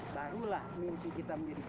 barulah mimpi kita menjadi